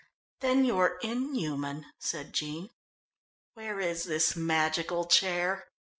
"Then you're inhuman," said Jean. "Where is this magical chair?"